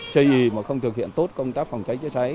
chây gì mà không thực hiện tốt công tác phòng cháy chế cháy